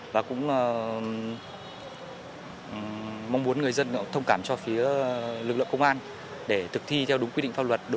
và cũng mong muốn người dân thông cảm cho phía lực lượng công an để thực thi theo đúng quy định pháp luật